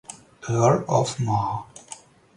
Earl of Mar.